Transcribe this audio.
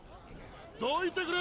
どいてくれ！